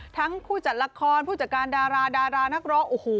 ผู้จัดละครผู้จัดการดาราดารานักร้องโอ้โห